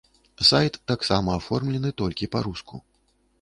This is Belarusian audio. Сайт таксама аформлены толькі па-руску.